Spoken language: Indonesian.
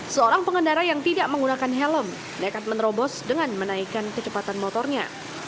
seorang pengendara yang tidak menggunakan helm nekat menerobos dengan menaikkan kecepatan motornya